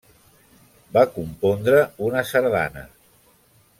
Va compondre una sardana.